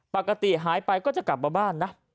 ปกติหายไปก็จะกลับมาบ้านนะ